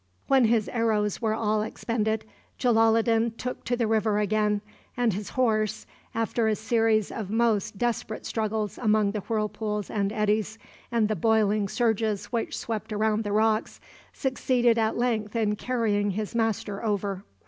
When his arrows were all expended, Jalaloddin took to the river again; and his horse, after a series of most desperate struggles among the whirlpools and eddies, and the boiling surges which swept around the rocks, succeeded at length in carrying his master over.